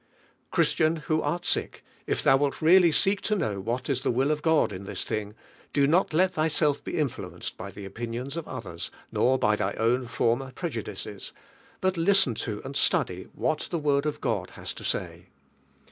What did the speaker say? Christian, who ait sick, if thou wilt really seek lo know what is the will of God in this thing, do not let thyself he influenced by tl pinions of others, nor by thy own former prejudices, but listen in and sludy what the Won! of God has to say.